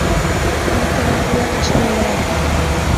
Мый тылат верчын нальым.